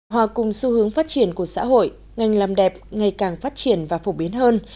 hòa cùng xu hướng phát triển của xã hội ngành làm đẹp ngày càng phát triển và phổ biến hơn